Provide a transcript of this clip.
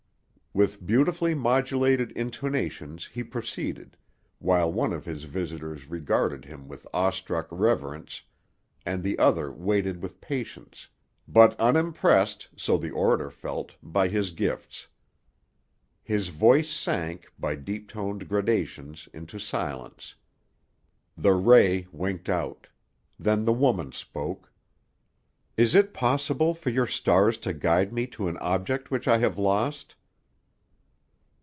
With beautifully modulated intonations he proceeded, while one of his visitors regarded him with awestruck reverence, and the other waited with patience—but unimpressed, so the orator felt, by his gifts. His voice sank, by deep toned gradations into silence. The ray winked out. Then the woman spoke. "Is it possible for your stars to guide me to an object which I have lost?"